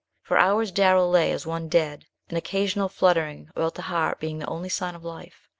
For hours Darrell lay as one dead, an occasional fluttering about the heart being the only sign of life.